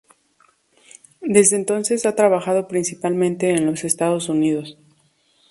Desde entonces ha trabajado principalmente en los Estados Unidos.